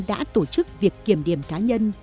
đã tổ chức việc kiểm điểm cá nhân